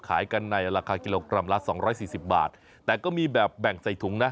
ขายกันในราคากิโลกรัมละสองร้อยสี่สิบบาทแต่ก็มีแบบแบ่งใส่ถุงนะ